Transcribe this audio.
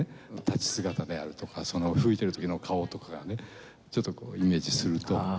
立ち姿であるとか吹いてる時の顔とかがねちょっとこうイメージすると。